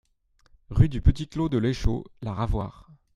Rue du Petit Clos de l'Échaud, La Ravoire